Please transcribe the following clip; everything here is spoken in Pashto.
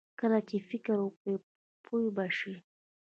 کله چې فکر وکړې، پوه به شې!